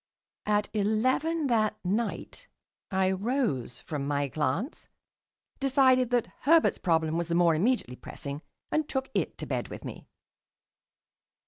At eleven that night I rose from my glance, decided that Herbert's problem was the more immediately pressing, and took it to bed with me.